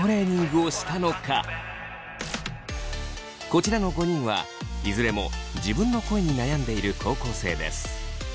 こちらの５人はいずれも自分の声に悩んでいる高校生です。